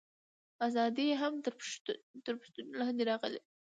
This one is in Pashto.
ازادي یې هم تر پوښتنې لاندې راغله.